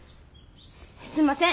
すんません。